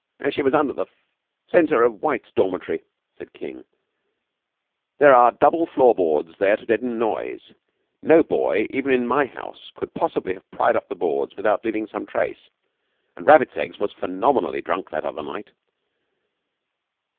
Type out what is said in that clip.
"She was under the centre of White's dormitory," said King. "There are double floor boards there to deaden noise. No boy, even in my own house, could possibly have pried up the boards without leaving some trace and Rabbits Eggs was phenomenally drunk that other night."